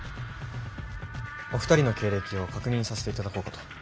お二人の経歴を確認させていただこうかと。